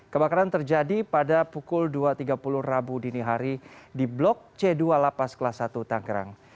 kebakaran terjadi pada pukul dua tiga puluh rabu dini hari di blok c dua lapas kelas satu tangerang